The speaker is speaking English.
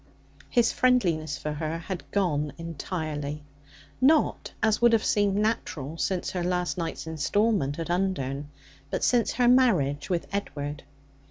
His friendliness for her had entirely gone, not, as would have seemed natural, since her last night's instalment at Undern, but since her marriage with Edward.